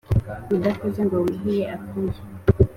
Udakoze ngo wiyuhe akuye